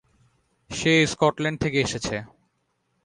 সে Scotland থেকে এসেছে।